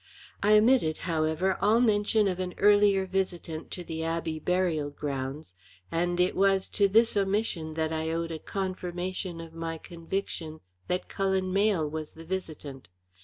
I omitted, however, all mention of an earlier visitant to the Abbey burial grounds, and it was to this omission that I owed a confirmation of my conviction that Cullen Mayle was the visitant.